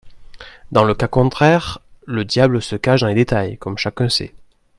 Dans le cas contraire, le diable se cache dans les détails, comme chacun sait.